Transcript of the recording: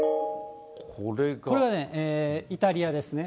これがイタリアですね。